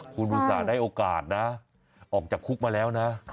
คุณภาษาได้โอกาสนะออกจากคุกมาแล้วนะ